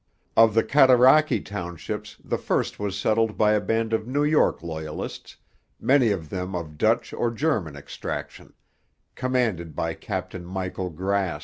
Of the Cataraqui townships the first was settled by a band of New York Loyalists, many of them of Dutch or German extraction, commanded by Captain Michael Grass.